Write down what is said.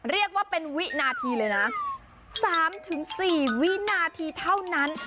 เรียกว่าเป็นวินาทีเลยนะ๓๔วินาทีเท่านั้น